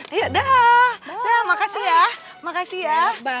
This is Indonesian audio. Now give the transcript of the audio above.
ayo dah dah makasih ya makasih ya